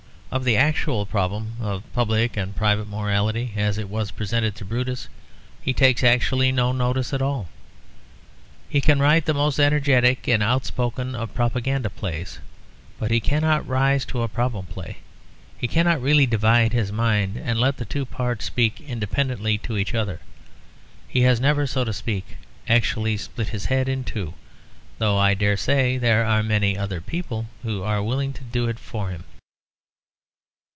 Of the actual problem of public and private morality, as it was presented to Brutus, he takes actually no notice at all. He can write the most energetic and outspoken of propaganda plays; but he cannot rise to a problem play. He cannot really divide his mind and let the two parts speak independently to each other. He has never, so to speak, actually split his head in two; though I daresay there are many other people who are willing to do it for him.